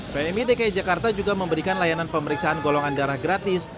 pmi dki jakarta juga memberikan layanan pemeriksaan golongan darah gratis